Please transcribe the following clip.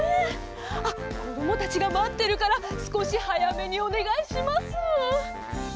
あっこどもたちがまってるからすこしはやめにおねがいします。